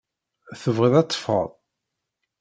Tebɣiḍ ad teffɣeḍ?